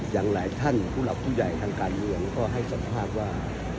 อย่างหลายท่านผู้หลักผู้ใหญ่ทางการเมืองก็ให้สัมภาษณ์ว่า